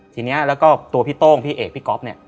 ทีนี้แล้วก็ตัวพี่โต้งพี่เอกพี่ก๊อฟเนี่ย